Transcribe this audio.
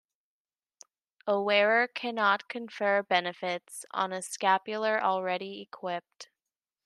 A wearer cannot confer benefits on a scapular already equipped.